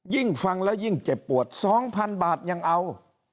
ฟังแล้วยิ่งเจ็บปวด๒๐๐๐บาทยังเอา